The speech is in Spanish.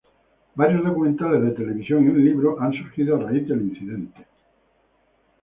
Varios documentales de televisión y un libro han surgido a raíz del incidente.